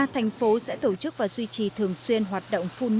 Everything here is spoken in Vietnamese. thành phố sẽ triển khai quyết định